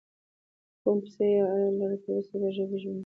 قوم پسې یې اړه لرله، تر اوسه یې په ژبه کې ژوندی